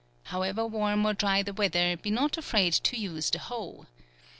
— However warm or dry the weather, be not afraid to use the hoe.